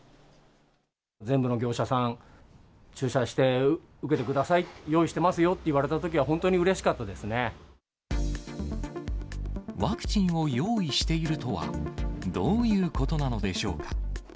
全部の業者さん、注射して受けてください、用意してますよって言われたときは、本当にうれしワクチンを用意しているとは、どういうことなのでしょうか。